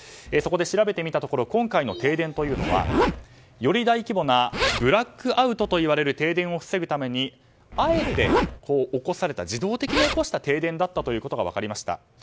そこで調べてみたところ今回の停電というのはより大規模なブラックアウトといわれる停電を防ぐためにあえて起こされた自動的に起された停電だったことが分かりました。